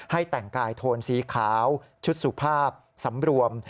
แต่งกายโทนสีขาวชุดสุภาพสำรวม